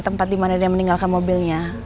tempat dimana dia meninggalkan mobilnya